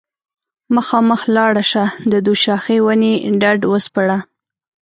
مخامخ لاړه شه د دوشاخې ونې ډډ وسپړه